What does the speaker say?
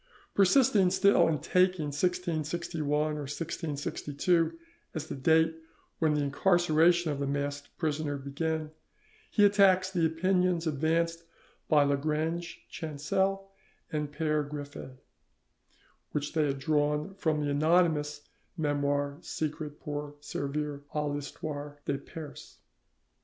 Persisting still in taking 1661 or 1662 as the date when the incarceration of the masked prisoner began, he attacks the opinions advanced by Lagrange Chancel and Pere Griffet, which they had drawn from the anonymous 'Memoires secrets pour servir a l'Histoire de Perse'.